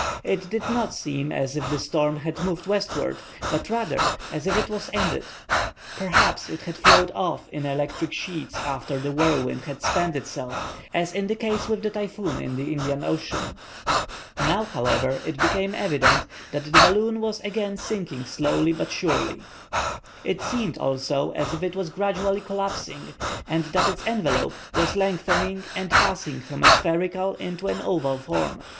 It did not seem as if the storm had moved westward, but rather as if it was ended. Perhaps it had flowed off in electric sheets after the whirlwind had spent itself, as is the case with the typhoon in the Indian Ocean. Now, however, it became evident that the balloon was again sinking slowly but surely. It seemed also as if it was gradually collapsing, and that its envelope was lengthening and passing from a spherical into an oval form.